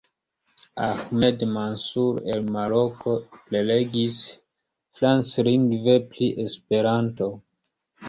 Ahmed Mansur el Maroko prelegis franclingve pri Esperanto.